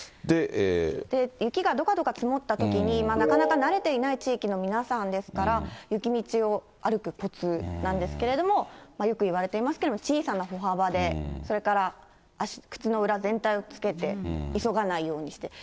雪がどかどか積もったときに、なかなか慣れていない地域の皆さんですから、雪道を歩くコツなんですけれども、よくいわれていますけれども、小さな歩幅で、それから靴の裏全体をつけて、急がないようにして。